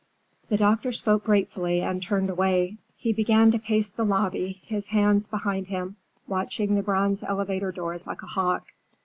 The doctor spoke gratefully and turned away. He began to pace the lobby, his hands behind him, watching the bronze elevator doors like a hawk.